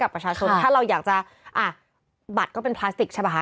อ่ะบัตรก็เป็นพลาสติกใช่ป่ะฮะ